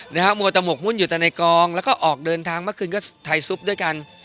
มัวแต่หมกมุ่นอยู่แต่ในกองแล้วก็ออกเดินทางเมื่อคืนก็ไทยซุปด้วยกัน